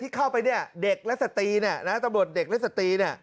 เข้าไปเนี่ยเด็กและสตรีเนี่ยนะตำรวจเด็กและสตรีเนี่ย